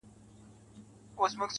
چي په پسي به زړه اچوې_